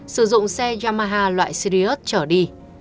sử dụng xe yamaha loại sirius chở đi